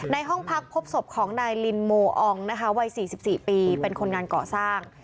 ห้องพักพบศพของนายลินโมอองนะคะวัย๔๔ปีเป็นคนงานก่อสร้าง